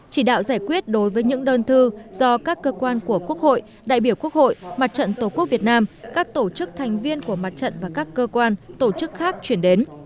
chỉ đạo giải quyết đối với những đơn thư do các cơ quan của quốc hội đại biểu quốc hội mặt trận tổ quốc việt nam các tổ chức thành viên của mặt trận và các cơ quan tổ chức khác chuyển đến